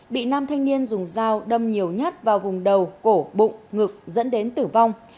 bị nam thanh niên dùng dao đâm nhiều nhát vào vùng đầu cổ bụng ngực dẫn đến tử vong